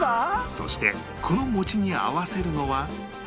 そしてこの餅に合わせるのは